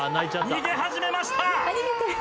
逃げ始めました。